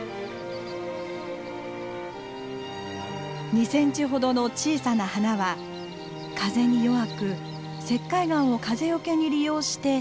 ２センチほどの小さな花は風に弱く石灰岩を風よけに利用して生きています。